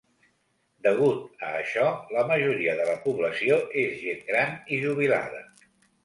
Degut a això, la majoria de la població és gent gran i jubilada.